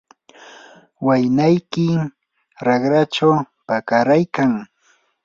waynaykim raqrachaw pakaraykan.